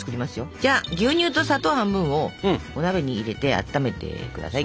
じゃあ牛乳と砂糖半分をお鍋に入れてあっためて下さい。